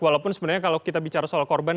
walaupun sebenarnya kalau kita bicara soal korban